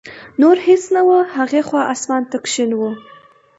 نور هېڅ نه و، هغې خوا اسمان تک شین و.